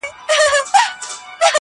اوس سپوږمۍ نسته اوس رڼا نلرم.